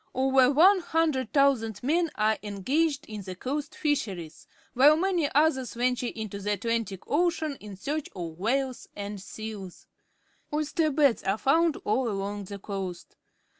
Over 100,000 men are engaged in the coast fisheries, while many others ven ture into the Arctic Ocean in search of whales and seals. Oyster beds are found all along the coast.